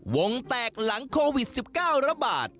วงแตกหลังโควิด๑๙ปี